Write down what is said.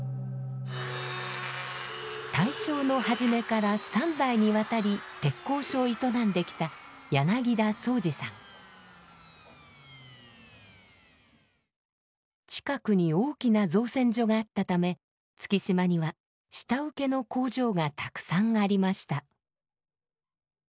大正の初めから３代にわたり鉄工所を営んできた近くに大きな造船所があったため月島には下請けの工場がたくさんありました。